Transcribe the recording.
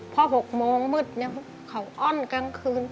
พอ๖โมงมืดเขาอ้อนกลางคืน